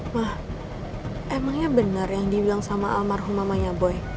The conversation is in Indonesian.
ma emangnya bener yang dibilang sama almarhum mamanya boy